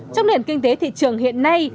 trong nền kinh tế thị trường hiện nay